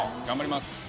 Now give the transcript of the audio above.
頑張ります。